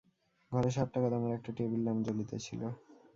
ঘরে সাত টাকা দামের একটা টেবিল ল্যাম্প জ্বলিতেছিল।